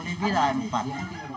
lebih lah empat